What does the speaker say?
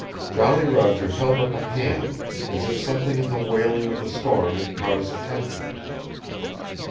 Jolly Roger held up a hand, as if something in the wailing of the storm had caught his attention.